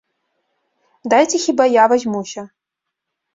Дайце хіба я вазьмуся.